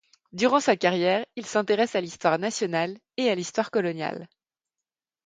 Durant sa carrière, il s'intéresse à l'histoire nationale et à l'histoire coloniale.